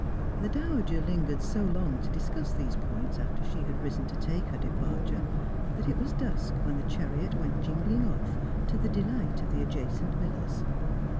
The dowager Hngered so long to discuss these points after she had risen to take her departure, that it was dusk when the chariot went jingling off, to the delight of the adjacent villas.